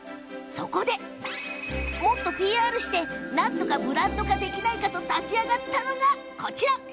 もっとＰＲしてなんとかブランド化できないかと立ち上がったのが。